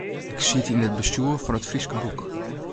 Ik siet yn it bestjoer fan It Fryske Boek.